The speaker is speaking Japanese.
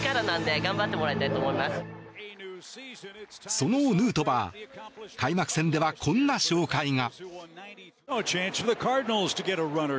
そのヌートバー開幕戦ではこんな紹介が。